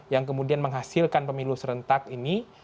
yang kemudian menghasilkan pemilu serentak ini